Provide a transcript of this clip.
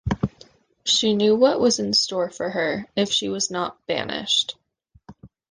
She knew what was in store for her if she was not banished.